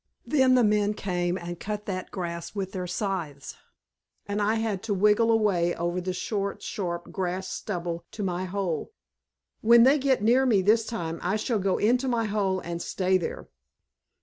Then the men came and cut that grass with their scythes, and I had to wriggle away over the short, sharp grass stubble to my hole. When they get near me this time, I shall go into my hole and stay there."